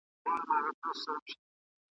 له بدیو به تر مرګه خلاصېدلای ,